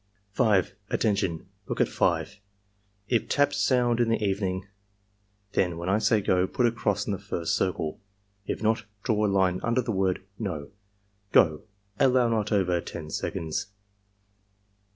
5. "Attention! Look at 5. If taps soimd in the evening, then (when I say 'go') put a cross in the first circle; if not, draw a line under the word NO. — Go!" (Allow not over 10 seconds.)